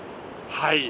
はい。